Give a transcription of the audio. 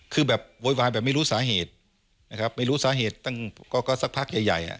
คือแบบโวยวายแบบไม่รู้สาเหตุนะครับไม่รู้สาเหตุตั้งก็สักพักใหญ่ใหญ่อ่ะ